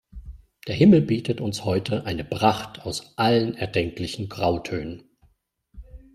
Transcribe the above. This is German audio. Der Himmel bietet uns heute eine Pracht aus allen erdenklichen Grautönen.